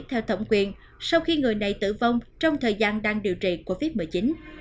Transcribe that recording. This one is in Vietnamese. theo thẩm quyền sau khi người này tử vong trong thời gian đang điều trị covid một mươi chín